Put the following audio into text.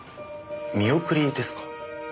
見送りですか？